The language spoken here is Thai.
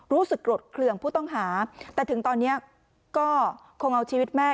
รู้สึกกรดเครื่องผู้ต้องหาแต่ถึงตอนนี้ก็คงเอาชีวิตแม่